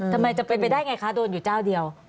ทำไมจะไปไปได้อย่างไรคะโดนอยู่เจ้าเดียว